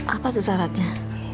apa tuh syaratnya